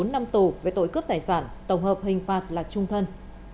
bốn năm tù về tội cướp tài sản tổng hợp hình phạt là trung thân